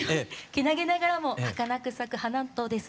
けなげながらもはかなく咲く花とですね